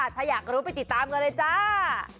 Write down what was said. ถ้าอยากรู้ไปติดตามกันเลยจ้า